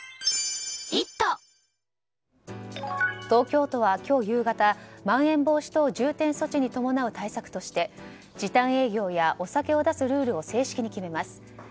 東京都は今日夕方まん延防止等重点措置に伴う対策として時短営業やお酒を出すルールを正式に決めます。